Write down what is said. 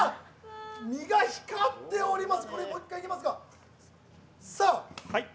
身が光っております。